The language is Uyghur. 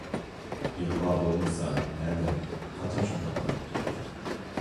ئىغۋا بولمىسا، نەدە، قاچان شۇنداق قىلىپتۇ؟